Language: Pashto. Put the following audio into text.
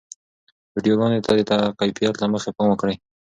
ویډیوګانو ته د کیفیت له مخې پام وکړئ.